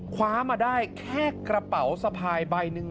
คว้ามาได้แค่กระเป๋าสะพายใบหนึ่ง